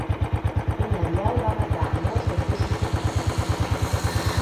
Una allau va matar molts dels gossos de cria.